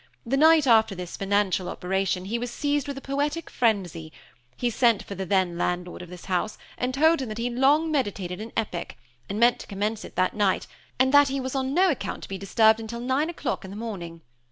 The night after this financial operation he was seized with a poetic frenzy: he sent for the then landlord of this house, and told him that he long meditated an epic, and meant to commence that night, and that he was on no account to be disturbed until nine o'clock in the morning.